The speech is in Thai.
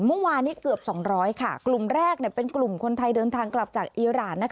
เมื่อวานนี้เกือบ๒๐๐ค่ะกลุ่มแรกเป็นกลุ่มคนไทยเดินทางกลับจากอีราน